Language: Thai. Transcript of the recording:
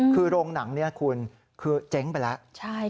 คือโรงหนังนี้คุณคือเจ๊งไปแล้ว